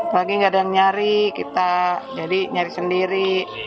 pagi nggak ada yang nyari kita jadi nyari sendiri